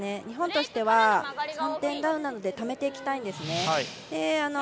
日本としては３点ダウンなのでためていきたいんですね。